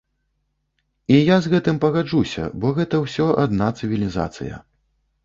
І я з гэтым пагаджуся, бо гэта ўсё адна цывілізацыя.